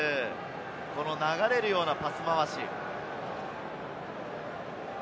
流れるようなパス回し。